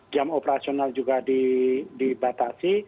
jam operasional juga dibatasi